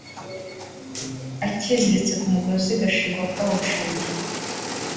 akiziritse ku mugozi gashirwa kawuciye